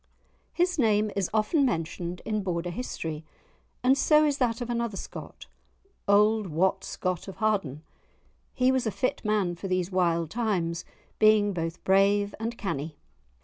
His name is often mentioned in Border history, and so is that of another Scott, "auld Wat Scott of Harden." He was a fit man for these wild times, being both brave and canny.